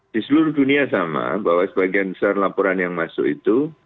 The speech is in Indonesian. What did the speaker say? di seluruh dunia sama bahwa sebagian besar laporan yang masuk itu